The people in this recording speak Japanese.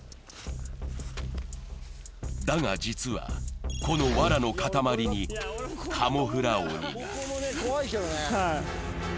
だが実は、このわらの塊にカモフラ鬼が。